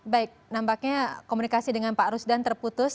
baik nampaknya komunikasi dengan pak rusdan terputus